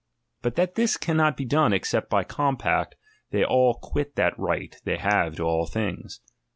But that this cannot be done, except by compact, they all quit that right they have to all things.